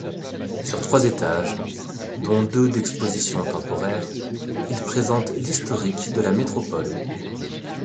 Sur trois étages, dont deux d'expositions temporaires, il présente l'historique de la métropole.